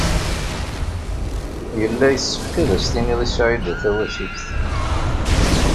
Yella yessefk ad as-tiniḍ i Saɛida Tawasift.